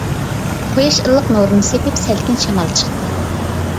قۇياش ئىللىق نۇرىنى سېپىپ، سەلكىن شامال چىقتى.